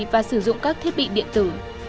và sử dụng các thiết bị điện tử